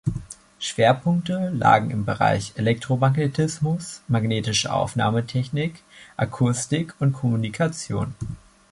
Schwerpunkte lagen im Bereich Elektromagnetismus, magnetische Aufnahmetechnik, Akustik und Kommunikation.